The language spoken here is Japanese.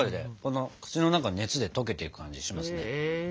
口の中の熱で溶けていく感じしますね。